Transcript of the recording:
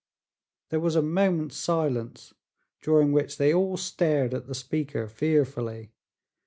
There was a moment's silence, during which they all stared at the speaker fearfully.